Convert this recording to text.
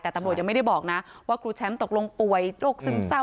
แต่ตำรวจยังไม่ได้บอกนะว่าครูแชมป์ตกลงป่วยโรคซึมเศร้า